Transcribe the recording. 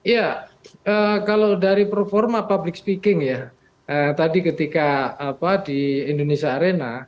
ya kalau dari performa public speaking ya tadi ketika di indonesia arena